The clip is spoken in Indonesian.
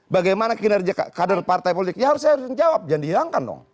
bagaimana kinerja kader partai politik ya harus saya harus menjawab jangan dihilangkan dong